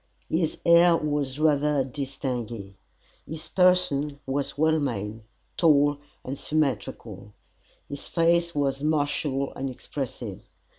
His air was rather distingué. His person was well made, tall and symmetrical. His face was martial and expressive.